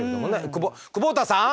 くぼ久保田さん！